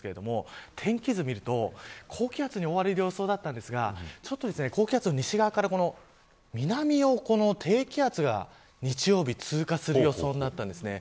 天気図を見ると高気圧に覆われる予想だったんですが高気圧の西側から南を低気圧が日曜日通過する予想になったんです。